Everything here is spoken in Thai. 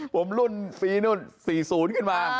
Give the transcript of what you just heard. ผมรุ่นฟรี๔๐ขึ้นมา